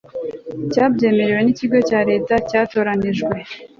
cyabyemerewe n ikigo cya Leta cyatoranyijwe